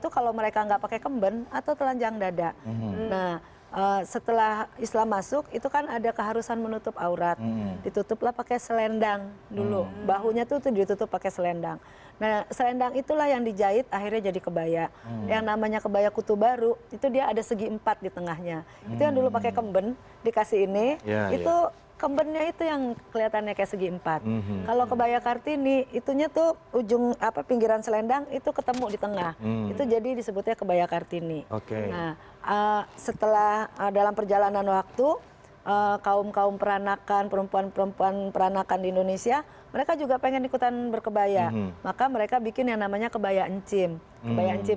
konsepnya selalu banyak